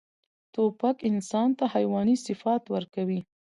توپک انسان ته حیواني صفات ورکوي.